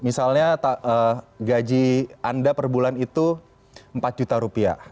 misalnya gaji anda per bulan itu empat juta rupiah